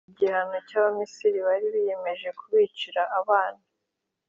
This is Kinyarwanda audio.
Igihano cy’Abanyamisiri bari biyemeje kubicira abana,